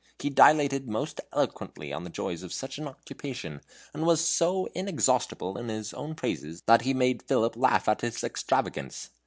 He dilated most eloquently on the joys of such an occupation, and was so inexhaustible in his own praises that he made Philip laugh at his extravagance.